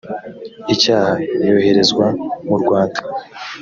icyaha yoherezwa mu rwanda